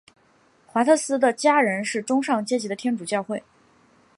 华特斯的家人是中上阶级的天主教会。